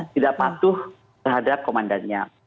tidak patuh terhadap komandannya